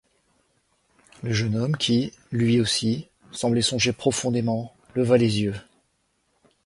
Le jeune homme qui, lui aussi, semblait songer profondément, leva les yeux.